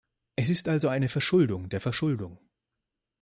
Es ist also eine Verschuldung der Verschuldung.